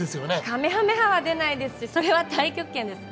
かめはめ波は出ないですしそれは太極拳です